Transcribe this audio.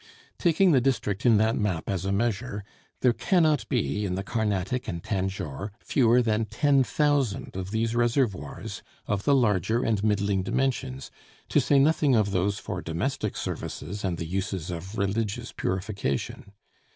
Taking the district in that map as a measure, there cannot be in the Carnatic and Tanjore fewer than ten thousand of these reservoirs of the larger and middling dimensions, to say nothing of those for domestic services and the uses of religious purification.